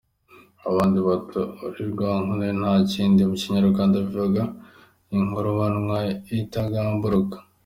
Abandi bati "Uri Rwankubebe nta kindi!" Mu kinyarwanda bivuga inkurubanwa intagamburuka.